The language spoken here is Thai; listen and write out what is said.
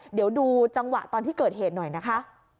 เดี๋ยวดูจังหวะตอนที่เกิดเหตุหน่อยนะคะ